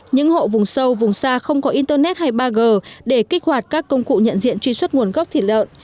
những hộ vùng sâu vùng xa không có internet hay ba g để kích hoạt các công cụ nhận diện truy xuất nguồn gốc thịt lợn